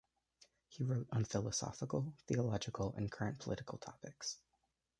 He wrote on philosophical, theological and current political topics.